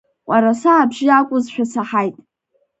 Ҟәараса абжьы акәызшәа саҳаит.